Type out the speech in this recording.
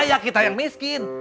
itu lama lama kita yang miskin